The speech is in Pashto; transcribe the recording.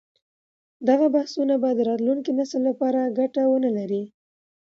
دغه بحثونه به د راتلونکي نسل لپاره ګټه ونه لري.